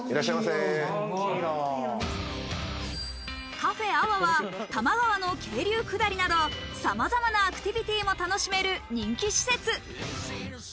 カフェＡＷＡは多摩川の渓流下りなどさまざまなアクティビティーも楽しめる人気施設。